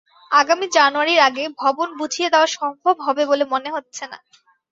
আগামী জানুয়ারির আগে ভবন বুঝিয়ে দেওয়া সম্ভব হবে বলে মনে হচ্ছে না।